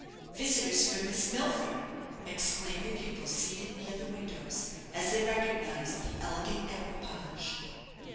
"Visitors for Miss Milford!" exclaimed the pupils seated near the windows, as they recognized the elegant equipage.